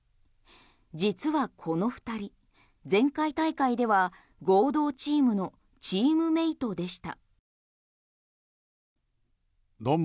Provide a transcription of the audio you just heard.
実はこの２人、前回大会では合同チームのチームメートでした。